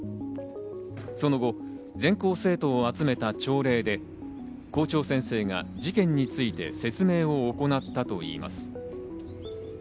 その後、全校生徒を集めた朝礼で校長先生が事件について説明を行ったといいます。